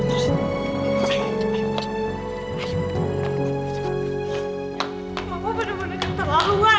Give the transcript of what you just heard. mama bener bener keterlaluan